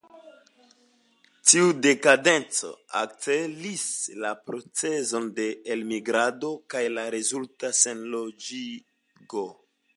Tiu dekadenco akcelis la procezon de elmigrado kaj la rezulta senloĝigo.